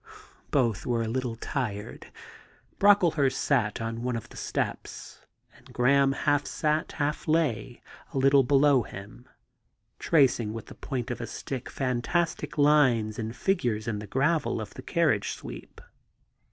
Both were a little tired. Brocklehurst sat on one of the steps, and Graham half sat, half lay, a little below him, tracing with the point of a stick fantastic lines and figures in the gravel of the carriage sweep.